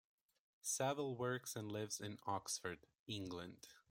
Saville works and lives in Oxford, England.